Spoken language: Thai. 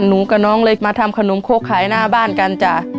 หนูกับน้องเลยมาทำขนมโค้กขายหน้าบ้านกันจ้ะ